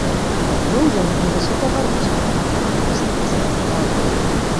Быў ён невысокага росту, аднак моцнага целаскладу.